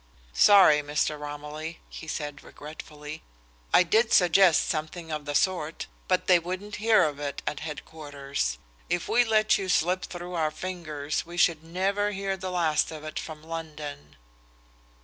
"Sorry, Mr. Romilly," he said regretfully. "I did suggest something of the sort, but they wouldn't hear of it at headquarters. If we let you slip through our fingers, we should never hear the last of it from London."